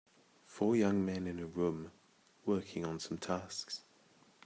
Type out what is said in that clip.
Four young men in a room, working on some tasks.